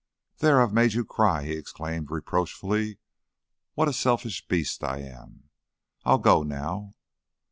"There! I've made you cry," he exclaimed, reproachfully. "What a selfish beast I am! I'll go now."